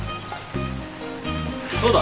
そうだ。